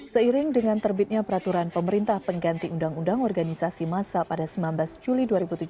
seiring dengan terbitnya peraturan pemerintah pengganti undang undang organisasi masa pada sembilan belas juli dua ribu tujuh belas